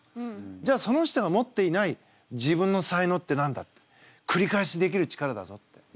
じゃあその人が持っていない自分の才能って何だ？ってくり返しできる力だぞって。